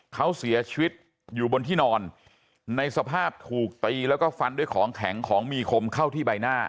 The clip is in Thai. เขาเสียชีวิตอยู่บนที่นอนในสภาพถูกตีแล้วก็ฟันด้วยของแข็งของมีคมเข้าที่ใบหน้า